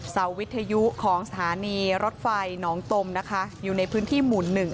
เสาวิทยุของสถานีรถไฟหนองตมนะคะอยู่ในพื้นที่หมู่หนึ่ง